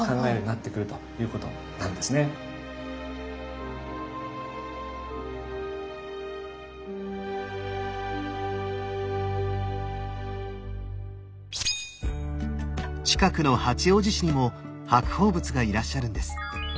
だから近くの八王子市にも白鳳仏がいらっしゃるんです。